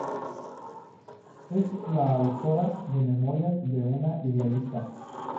Es la autora de "Memorias de una idealista".